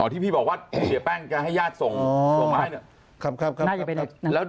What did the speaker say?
อ๋อที่พี่บอกว่าเดี๋ยวแป้งก็ให้ญาติส่งมาให้นะครับ